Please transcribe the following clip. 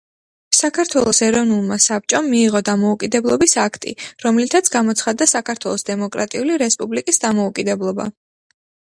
საქართველოს ეროვნულმა საბჭომ მიიღო დამოუკიდებლობის აქტი, რომლითაც გამოცხადდა საქართველოს დემოკრატიული რესპუბლიკის დამოუკიდებლობა.